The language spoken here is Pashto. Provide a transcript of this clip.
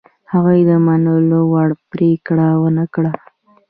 هغوی د منلو وړ پرېکړه ونه کړه.